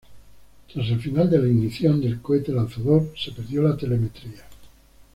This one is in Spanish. Tras el final de la ignición del cohete lanzador se perdió la telemetría.